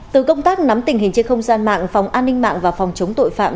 từ công tác nắm tình hình trên không gian mạng phòng an ninh mạng và phòng chống tội phạm